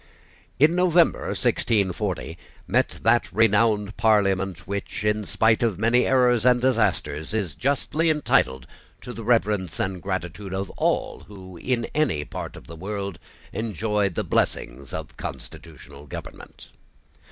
In November, 1640, met that renowned Parliament which, in spite of many errors and disasters, is justly entitled to the reverence and gratitude of all who, in any part of the world enjoy the blessings of constitutional government.